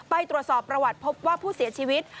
ไปตรวจสอบประวัติพบว่าผู้เสียชีวิต